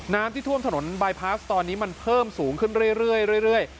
น้ำที่ท่วมถนนบายพาสตอนนี้มันเพิ่มสูงขึ้นเรื่อย